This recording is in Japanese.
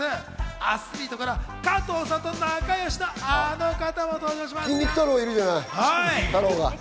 アスリートから加藤さんと仲良しのあの方まで登場しますよ。